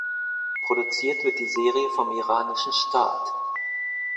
Produziert wird die Serie vom iranischen Staat.